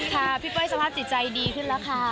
พี่เป้ยสภาพจิตใจดีขึ้นแล้วค่ะ